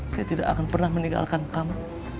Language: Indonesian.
saya tidak akan pernah meninggalkan kamu